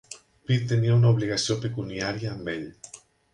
Pitt tenia una obligació pecuniària amb ell.